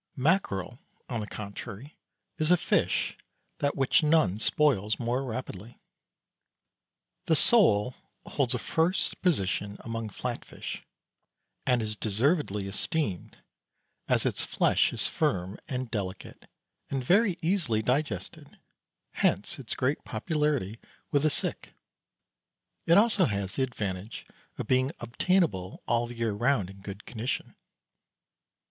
Mackerel, on the contrary, is a fish than which none spoils more rapidly. The sole holds a first position among flat fish, and is deservedly esteemed, as its flesh is firm and delicate and very easily digested, hence its great popularity with the sick. It has also the advantage of being obtainable all the year round in good condition.